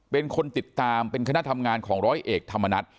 เป็นคนติดตามเป็นคณะทำงานของร้อยเอกธรรมนัฐ